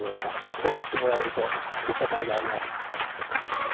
そう言ってもらえると作ったかいがあります。